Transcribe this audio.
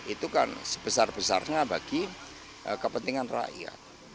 itu kan sebesar besarnya bagi kepentingan rakyat